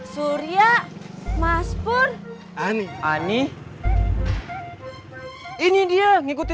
sampai jumpa di video selanjutnya